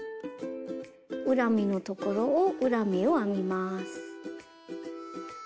裏目のところを裏目を編みます。